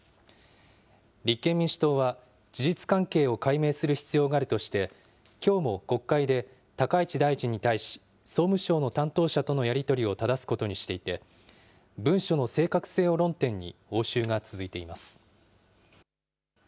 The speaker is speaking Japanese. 立憲民主党は、事実関係を解明する必要があるとして、きょうも国会で高市大臣に対し、総務省の担当者とのやり取りをただすことにしていて、文書の正確性を論点に、応酬が続いています。